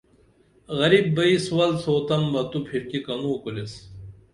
غریب بئی سُوال سُوتم بہ تو پِھرکی کنوکُریس